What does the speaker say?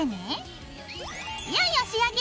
いよいよ仕上げ！